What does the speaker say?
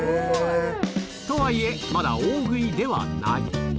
とはいえ、まだ大食いではない。